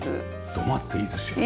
土間っていいですよね。